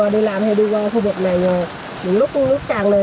đến lúc nước càng lên